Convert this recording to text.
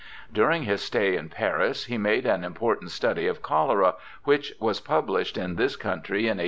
During his stay in Paris he made an important study of cholera, which was published in this country in 1832.